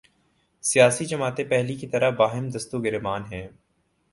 سیاسی جماعتیں پہلے کی طرح باہم دست و گریبان ہیں۔